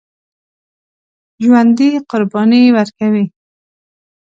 ژوندي قرباني ورکوي